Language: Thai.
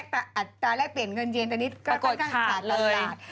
อัตราแรกเปลี่ยนเงินเย็นตอนนี้ก็ค่อนข้างขาดตลาด